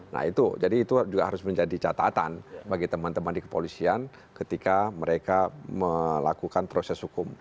nah itu jadi itu juga harus menjadi catatan bagi teman teman di kepolisian ketika mereka melakukan proses hukum